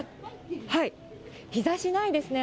日ざしないですね。